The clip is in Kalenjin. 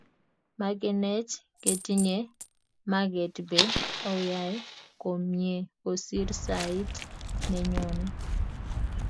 makenech Keetinye maket be kiyoe komyee kosir sait ne nyone